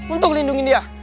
untuk lindungin dia